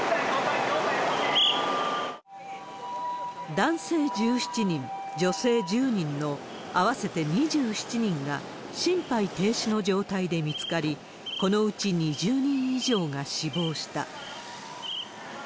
男性１７人、女性１０人の合わせて２７人が心肺停止の状態で見つかり、このうち２０人以上が死亡した。